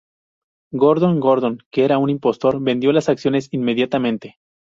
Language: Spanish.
Gordon Gordon, que era un impostor, vendió las acciones inmediatamente.